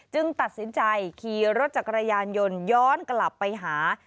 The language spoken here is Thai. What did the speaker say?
ตัดสินใจขี่รถจักรยานยนต์ย้อนกลับไปหา